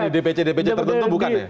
di dpc dpc tertentu bukan ya